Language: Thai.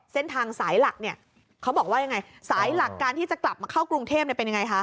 เส้นทางสายหลักเนี่ยเขาบอกว่ายังไงสายหลักการที่จะกลับมาเข้ากรุงเทพเป็นยังไงคะ